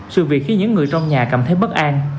sự việc khiến những người trong nhà cảm thấy bất an